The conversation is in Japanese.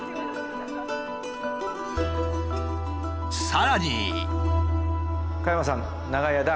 さらに。